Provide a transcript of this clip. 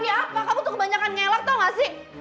ini apa kamu tuh kebanyakan ngelak tau gak sih